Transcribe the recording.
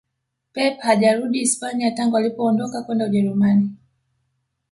Pep hajarudi Hispania tangu alipoondoka kwenda ujerumani